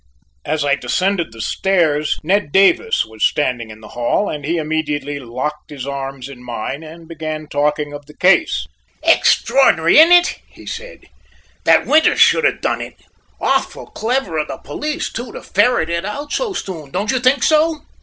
As I descended the stairs, Ned Davis was standing in the hall, and he immediately locked his arms in mine and began talking of the case. "Extraordinary, isn't it," he said, "that Winters should have done it? Awful clever of the police, too, to ferret it out so soon, don't you think so?"